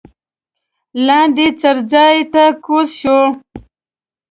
لاندې څړځای ته کوز شوو.